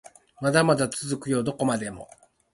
まだまだ続くよどこまでも